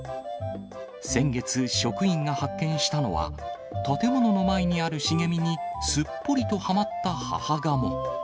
先月、職員が発見したのは、建物の前にある茂みにすっぽりとはまった母ガモ。